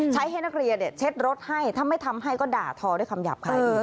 ให้นักเรียนเช็ดรถให้ถ้าไม่ทำให้ก็ด่าทอด้วยคำหยาบคาย